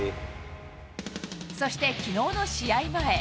そしてきのうの試合前。